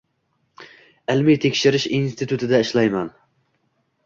Ilmiy-tekshirish institutida ishlayman.